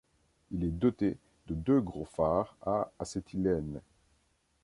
Il est doté de deux gros phares à acétylène.